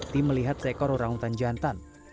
tim melihat seekor orangutan jantan